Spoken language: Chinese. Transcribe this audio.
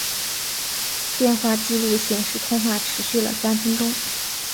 电话记录显示通话持续了三分钟。